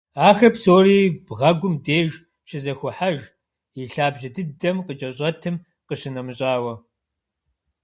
Ахэр псори бгъэгум деж щызэхохьэж, и лъабжьэ дыдэм къыкӏэщӏэтым къищынэмыщӏауэ.